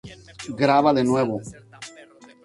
Todo su contenido tiene licencia Creative Commons.